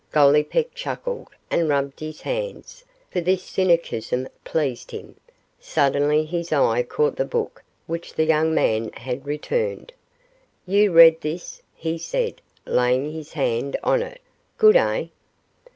Gollipeck chuckled, and rubbed his hands, for this cynicism pleased him. Suddenly his eye caught the book which the young man had returned. 'You read this?' he said, laying his hand on it; 'good, eh?